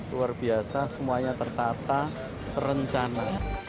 luar biasa semuanya tertata terencana